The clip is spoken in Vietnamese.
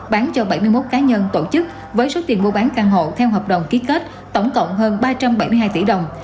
bán cho bảy mươi một cá nhân tổ chức với số tiền mua bán căn hộ theo hợp đồng ký kết tổng cộng hơn ba trăm bảy mươi hai tỷ đồng